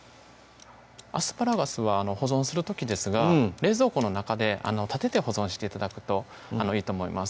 アスパラガスは保存する時ですが冷蔵庫の中で立てて保存して頂くといいと思います